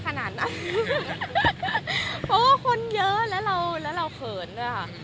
เพราะว่าคนเยอะแล้วเราเขินด้วยค่ะ